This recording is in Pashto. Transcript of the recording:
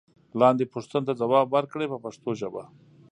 لاندې پوښتنو ته ځواب ورکړئ په پښتو ژبه.